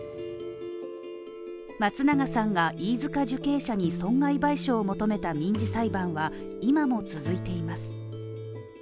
松永さんが、飯塚受刑者に損害賠償を求めた民事裁判は今も続いています。